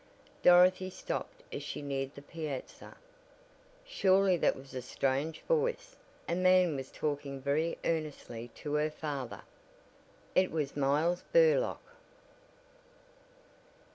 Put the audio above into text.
Dorothy stopped as she neared the piazza. Surely that was a strange voice. A man was talking very earnestly to her father. It was Miles Burlock!